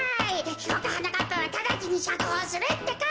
ひこくはなかっぱはただちにしゃくほうするってか。